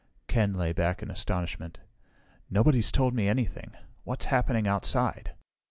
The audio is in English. Ken lay back in astonishment. "Nobody's told me anything. What's happening outside?"